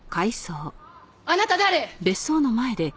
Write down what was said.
あなた誰？